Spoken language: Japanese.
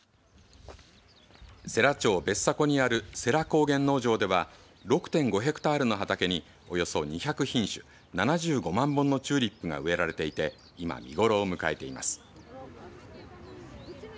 世羅町別迫にある世羅高原農場では６．５ヘクタールの畑におよそ２００品種７５万本のチューリップが植えられていて今、見頃を迎えています。